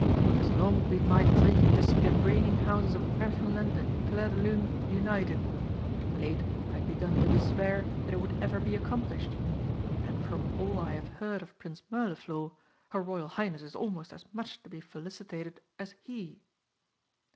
"It has long been my dream to see the reigning houses of Märchenland and Clairdelune united, but of late I had begun to despair that it would ever be accomplished! And from all I have heard of Prince Mirliflor, her Royal Highness is almost as much to be felicitated as he!"